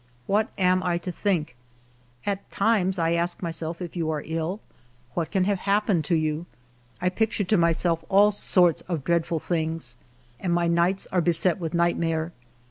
What am I to think ? At times I ask myself if you are ill, what can have happened to you. I picture to myself all sorts of dreadful things, and my nights are beset with nightmare.